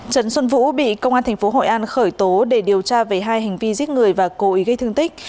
trần xuân vũ bị công an tp hội an khởi tố để điều tra về hai hành vi giết người và cố ý gây thương tích